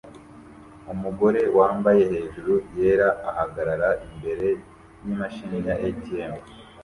Umugore wambaye hejuru yera ahagarara imbere yimashini ya ATM